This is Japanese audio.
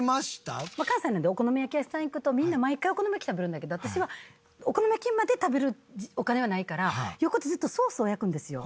関西なのでお好み焼き屋さん行くとみんな毎回お好み焼き食べるんだけど私はお好み焼きまで食べるお金はないから横でずっとソースを焼くんですよ。